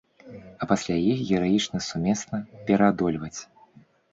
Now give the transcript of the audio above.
А пасля іх гераічна сумесна пераадольваць.